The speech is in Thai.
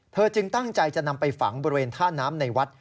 จึงตั้งใจจะนำไปฝังบริเวณท่าน้ำในวัด